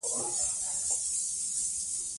د سرکونو د پخولو کیفیت باید کنټرول شي.